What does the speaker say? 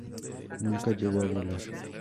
Nunca llegó a volar.